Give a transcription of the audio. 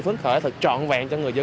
phấn khởi thật trọn vẹn cho người dân